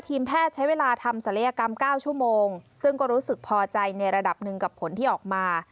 ทีมแพทย์ใช้เวลาทำศัลยกรรม๙ชั่วโมงซึ่งก็รู้สึกพอใจในระดับหนึ่งกับผลที่ออกมา